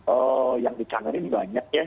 oh yang dicangerin banyak ya